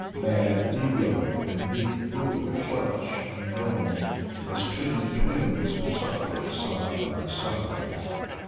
Mad Nero and meek Buddha clutch, unknowing, As clinging twins who suckle side by side.